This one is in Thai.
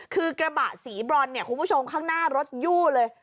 คือกระบะสีบรอนเนี่ยคุณผู้ชมข้างหน้ารถยู่เลย